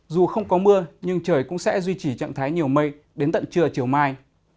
dù không có mưa nhưng trời cũng sẽ duy trì trạng thái nhiều mây đến tận trưa chiều mai